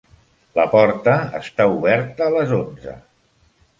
La porta està oberta a les onze.